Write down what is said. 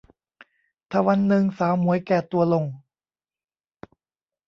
ถ้าวันนึงสาวหมวยแก่ตัวลง